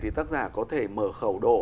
thì tác giả có thể mở khẩu độ